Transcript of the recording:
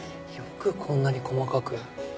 よくこんなに細かく。